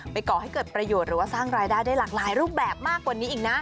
ก่อให้เกิดประโยชน์หรือว่าสร้างรายได้ได้หลากหลายรูปแบบมากกว่านี้อีกนะ